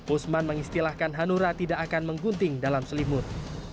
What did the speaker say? usman mengistilahkan hanura tidak akan menggunting dalam selimut